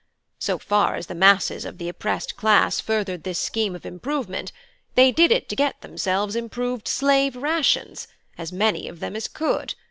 So far as the masses of the oppressed class furthered this scheme of improvement, they did it to get themselves improved slave rations as many of them as could.